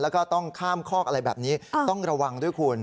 แล้วก็ต้องข้ามคอกอะไรแบบนี้ต้องระวังด้วยคุณ